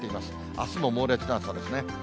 あすも猛烈な暑さですね。